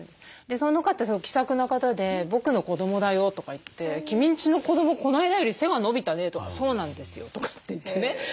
その方気さくな方で「僕の子どもだよ」とかいって「君んちの子どもこの間より背が伸びたね」とか「そうなんですよ」とかって言ってね。